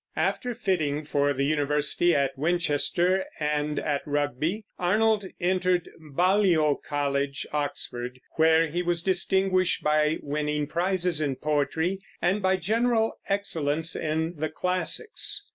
After fitting for the university at Winchester and at Rugby, Arnold entered Balliol College, Oxford, where he was distinguished by winning prizes in poetry and by general excellence in the classics.